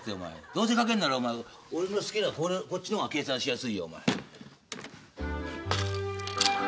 どうせかけるなら俺の好きなこっちの方が計算しやすいよ。